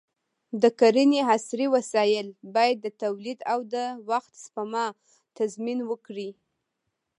د کرنې عصري وسایل باید د تولید او د وخت سپما تضمین وکړي.